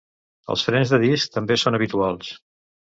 Els frens de disc també són habituals.